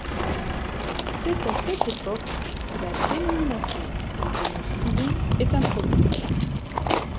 C'est à cette époque que la dénomination d'ingénieur civil est introduite.